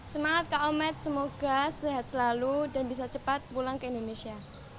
semangat kak omet semoga sehat selalu dan bisa cepat pulang ke indonesia